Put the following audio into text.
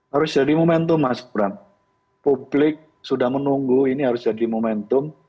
harus jadi momentum mas bram publik sudah menunggu ini harus jadi momentum